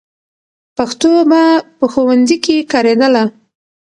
پښتو به په ښوونځي کې کارېدله.